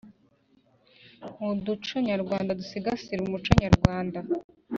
mu muco nyarwanda. Dusigasire umuco nyarwanda